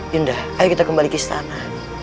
yunda ayo kita kembali ke istana